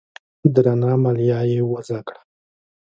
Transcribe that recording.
درنه مالیه یې وضعه کړه